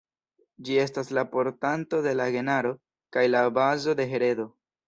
Ĝi estas la portanto de la genaro kaj la bazo de heredo.